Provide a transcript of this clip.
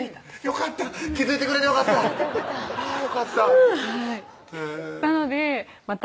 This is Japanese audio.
よかった気付いてくれてよかったあぁよかったへぇなのでまた